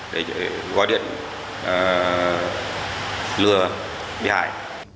để gọi điện lừa bị hại